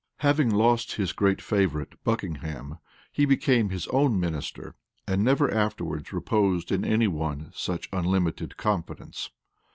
Having lost his great favorite, Buckingham, he became his own minister and never afterwards reposed in any one such unlimited confidence.